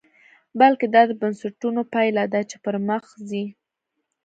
بلکې دا د بنسټونو پایله ده چې پرمخ ځي.